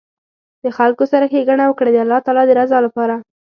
د خلکو سره ښیګڼه وکړه د الله تعالي د رضا لپاره